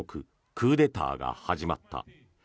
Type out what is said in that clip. クーデターが始まった。